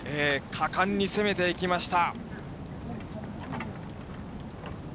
果敢に攻めていきました。